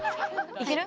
いける？